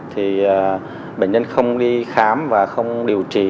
thì bệnh nhân không đi khám và không điều trị